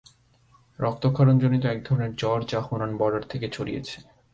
রক্তক্ষরণ জনিত এক ধরনের জ্বর যা হুনান বর্ডার থেকে ছড়িয়েছে।